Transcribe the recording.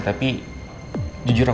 saya juga pursuit